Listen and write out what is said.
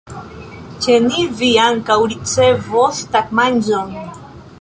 Ĉe ni vi ankaŭ ricevos tagmanĝon.